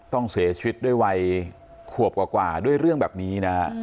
ต้องเสียชีวิตด้วยวัยขวบกว่าด้วยเรื่องแบบนี้นะฮะ